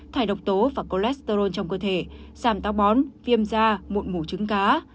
thải độc tố và cholesterol trong cơ thể giảm tao bón viêm da mụn mủ trứng cá